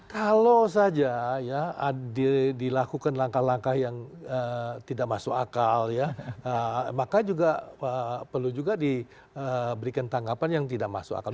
kalau saja ya dilakukan langkah langkah yang tidak masuk akal ya maka juga perlu juga diberikan tanggapan yang tidak masuk akal